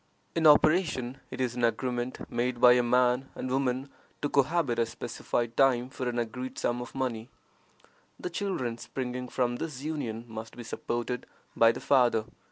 In operation, it is an agreement made by a man and woman to cohabit a specified time for an agreed sum of money. The children springing from this union must be supported by the father.